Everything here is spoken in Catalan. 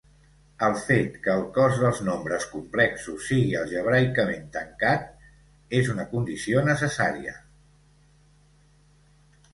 El fet que el cos dels nombres complexos sigui algebraicament tancat és una condició necessària.